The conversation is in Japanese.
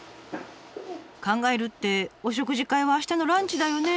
「考える」ってお食事会は明日のランチだよね？